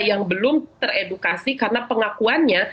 yang belum teredukasi karena pengakuannya